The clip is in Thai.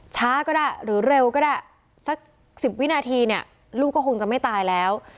ช้าก็ได้หรือเร็วก็ได้สัก๑๐วินาทีเนี่ยลูกก็คงจะไม่ตายแล้ว